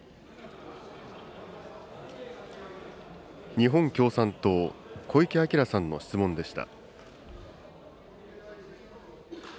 日本共産党、小池晃さんの質問でした。